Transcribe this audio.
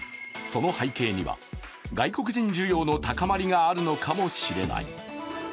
その背景には外国人需要の高まりがあるのかもしれない。